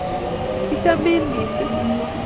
Kichamin missing